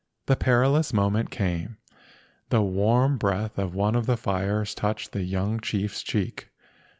The perilous moment came. The warm breath of one of the fires touched the young chief's cheek.